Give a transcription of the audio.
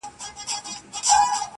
هو رشتيا